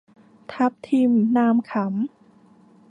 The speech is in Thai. ทับทิม นามขำ